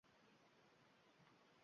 tushunishga harakat qilgan holda.